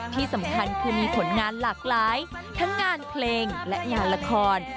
ที่สำคัญคือมีผลงานหลากหลายทั้งงานเพลงและงานละคร